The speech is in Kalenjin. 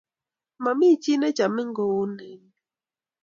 Mamie chii ne chamin kou anee